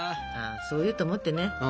あそう言うと思ってね。